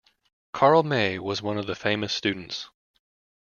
Karl May was one of the famous students.